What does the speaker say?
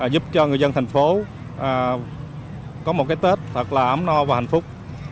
giúp cho người dân thành phố có một cái tết thật là ấm no và hạnh phúc